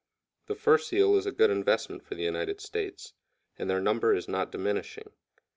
The fur seal is a good investment for the United States, and their number is not diminishing.